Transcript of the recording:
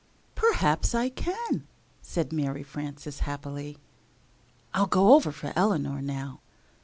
] "Perhaps I can," said Mary Frances, happily. "I'll go over for Eleanor now."